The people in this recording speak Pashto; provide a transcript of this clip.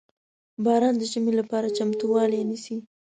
• باران د ژمي لپاره چمتووالی نیسي.